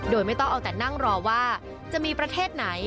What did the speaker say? โดยไม่ต้องเอาแต่นั่งรอว่าจะมีประเทศไหน